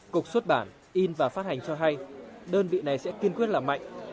cục xuất bản in và phát hành cho hay đơn vị này sẽ kiên quyết làm mạnh